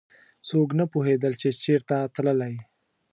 څوک نه پوهېدل چې چېرته تللی.